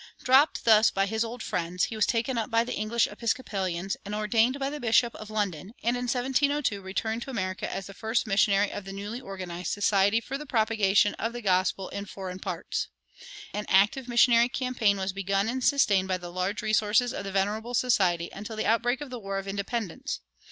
Dropped thus by his old friends, he was taken up by the English Episcopalians and ordained by the Bishop of London, and in 1702 returned to America as the first missionary of the newly organized Society for the Propagation of the Gospel in Foreign Parts. An active missionary campaign was begun and sustained by the large resources of the Venerable Society until the outbreak of the War of Independence.